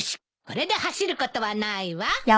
これで走ることはないわ。